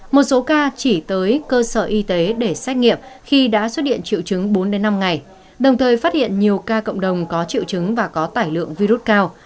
một số ca chỉ tới cơ sở y tế để xét nghiệm khi đã xuất hiện triệu chứng bốn năm ngày đồng thời phát hiện nhiều ca cộng đồng có triệu chứng và có tải lượng virus cao